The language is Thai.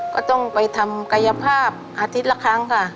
ก็ต้องไปทำกายภาพอาทิตย์ละครั้งค่ะ